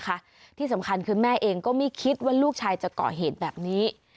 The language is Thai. ไม่ได้กลับมาหาแม่เลยนะคะที่สำคัญคือแม่เองก็ไม่คิดว่าลูกชายจะเกาะเหตุแบบนี้